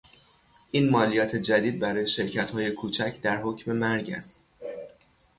این مالیات جدید برای شرکتهای کوچک در حکم مرگ است.